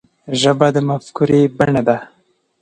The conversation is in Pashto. ژبه د مفکورې بڼه ده